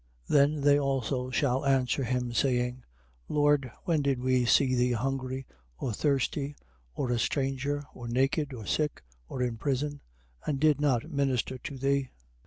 25:44. Then they also shall answer him, saying: Lord, when did we see thee hungry or thirsty or a stranger or naked or sick or in prison and did not minister to thee?